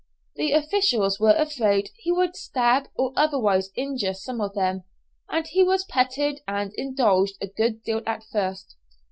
The officials were afraid he would stab or otherwise injure some of them; and he was petted and indulged a good deal at first.